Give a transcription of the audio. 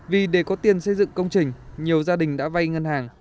vì để có tiền xây dựng công trình nhiều gia đình đã vay ngân hàng